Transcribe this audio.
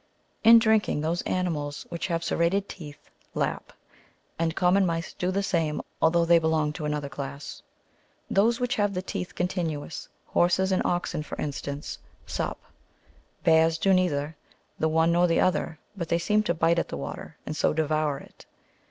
In drinking, those animals which have serrated ^^ teeth, lap ; and common mice do the same, although they belong to another class. Those which have the teeth continuous, horses and oxen, for instance, sup ; bears do neither the one nor the other, but seem to bite at the water, and so devour it.